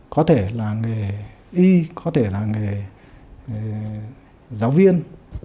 có thể là nghề y có thể là nghề giáo viên